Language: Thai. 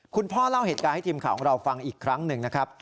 พ่อเล่าเหตุการณ์ให้ทีมข่าวของเราฟังอีกครั้งหนึ่งนะครับ